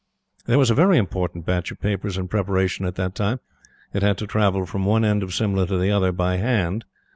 There was a very important batch of papers in preparation at that time. It had to travel from one end of Simla to the other by hand.